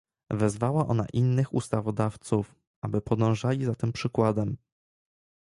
Wezwała ona innych ustawodawców, aby podążali za tym przykładem